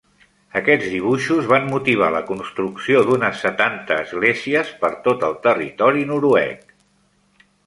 Aquests dibuixos van motivar la construcció d'unes setanta esglésies per tot el territori noruec.